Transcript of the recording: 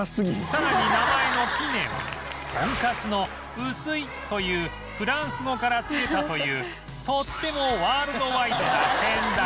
さらに名前の「ピネ」はトンカツの「薄い」というフランス語からつけたというとってもワールドワイドな先代